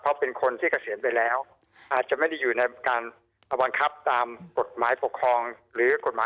อเรนนี่อการ์